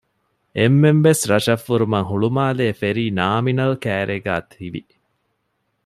އެންމެންވެސް ރަށަށް ފުރުމަށް ހުޅުމާލޭ ފެރީ ނާމިނަލް ކައިރީގައި ތިވި